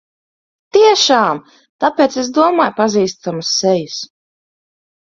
Tiešām! Tāpēc es domāju pazīstamas sejas.